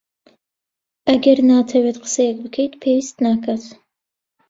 ئەگەر ناتەوێت قسەیەک بکەیت، پێویست ناکات.